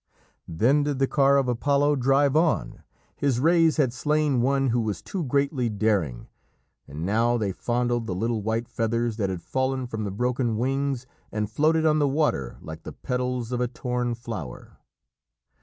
Then did the car of Apollo drive on. His rays had slain one who was too greatly daring, and now they fondled the little white feathers that had fallen from the broken wings and floated on the water like the petals of a torn flower.